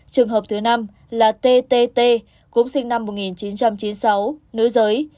trường hợp thứ năm là tt cũng sinh năm một nghìn chín trăm chín mươi sáu nữ giới